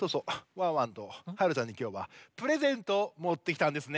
ワンワンとはるちゃんにきょうはプレゼントをもってきたんですね。